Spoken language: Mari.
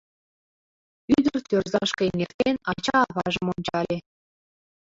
Ӱдыр, тӧрзашке эҥертен, ача-аважым ончале.